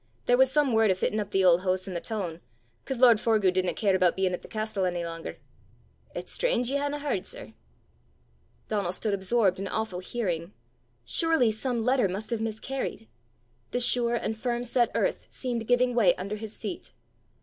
There was some word o' fittin' up the auld hoose i' the toon, 'cause lord Forgue didna care aboot bein' at the castel ony langer. It's strange ye haena h'ard, sir!" Donal stood absorbed in awful hearing. Surely some letter must have miscarried! The sure and firm set earth seemed giving way under his feet.